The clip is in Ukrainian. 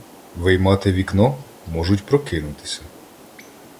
Виймати вікно — можуть прокинутися.